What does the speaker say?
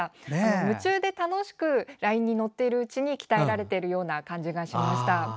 夢中に楽しくラインに乗っているうちに鍛えられる感じがしました。